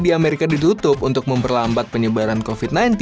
di amerika ditutup untuk memperlambat penyebaran covid sembilan belas